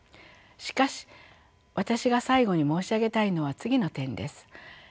しかし私が最後に申し上げたいのは次の点です。